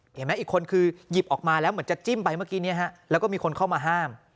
อีกไหมอีกคนคือหยิบออกมาแล้วเหมือนจะจิ้มไปเมื่อกี้แล้วก็มีคนเข้ามาห้าม